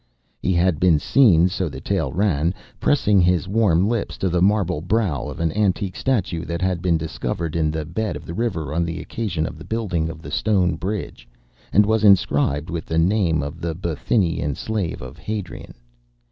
He had been seen, so the tale ran, pressing his warm lips to the marble brow of an antique statue that had been discovered in the bed of the river on the occasion of the building of the stone bridge, and was inscribed with the name of the Bithynian slave of Hadrian.